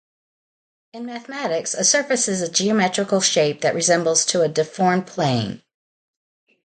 In mathematics, a surface is a geometrical shape that resembles to a deformed plane.